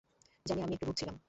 জানি আমি একটু রুঢ় ছিলাম।